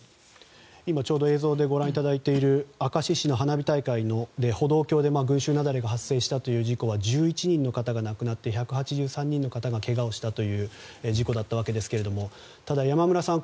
今、映像でご覧いただいている明石市の花火大会で歩道橋で群衆雪崩が発生したという事故は１１人の方が亡くなって１８３人の方がけがをしたという事故だったわけですがただ、山村さん